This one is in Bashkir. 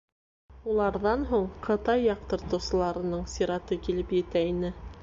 Уларҙан һуң Ҡытай яҡтыртыусыларының сираты килеп етә ине.